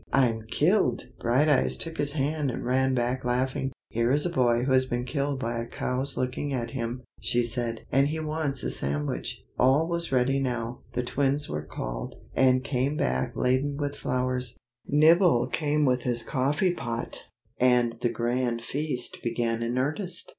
I'm killed!" Brighteyes took his hand and ran back laughing. "Here is a boy who has been killed by a cow's looking at him," she said, "and he wants a sandwich." All was ready now. The twins were called, and came back laden with flowers; Nibble came with his coffee pot, and the grand feast began in earnest.